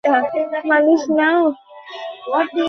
উনি গাঁজা খেতেন?